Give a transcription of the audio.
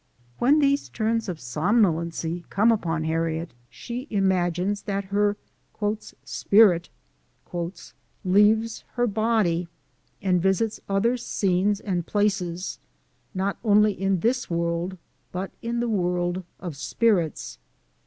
When these turns of som nolency come upon Harriet, she imagines that her " spirit " leaves her body, and visits other scenes and places, not only in this world, but in the world of spirits.